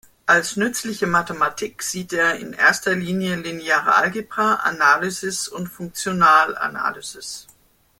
Als nützliche Mathematik sieht er in erster Linie lineare Algebra, Analysis und Funktionalanalysis.